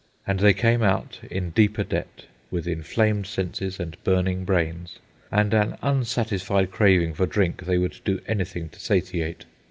And they came out in deeper debt, with inflamed senses and burning brains, and an unsatisfied craving for drink they would do anything to satiate.